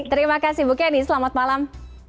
terima kasih bukeni selamat malam